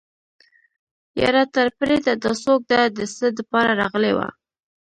يره ته پرېده دا څوک ده د څه دپاره راغلې وه.